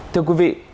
thưa quý vị